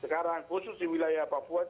sekarang khusus di wilayah papua